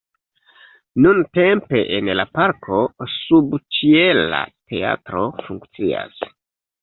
Nuntempe en la parko subĉiela teatro funkcias.